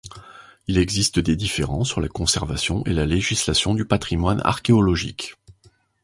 Il existe des différends sur la conservation et la législation du patrimoine archéologique.